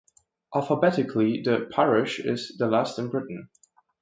Alphabetically, the parish is the last in Britain.